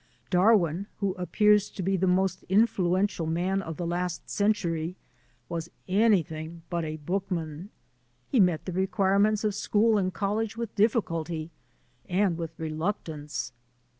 Darwin, who appears to be the most influential man of the last century, was anything but a hook man. He met the requirements of school and college with difficulty and with reluctance.